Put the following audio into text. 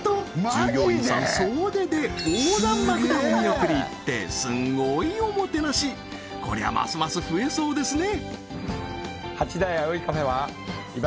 従業員さん総出でってすんごいおもてなしこりゃますます増えそうですね